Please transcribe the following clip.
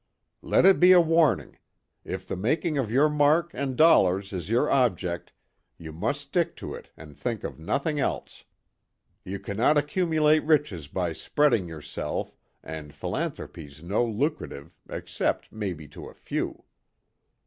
"Let it be a warning. If the making of your mark and dollars is your object, ye must stick to it and think of nothing else. Ye cannot accumulate riches by spreading yourself, and philanthropy's no lucrative, except maybe to a few."